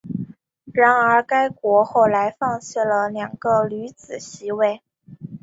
然而该国后来放弃了两个女子席位。